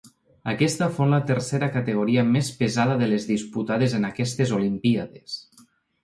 Aquesta fou la tercera categoria més pesada de les disputades en aquestes olimpíades.